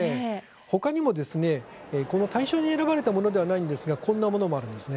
ほかにも大賞に選ばれたものではないんですがこんなものもあるんです。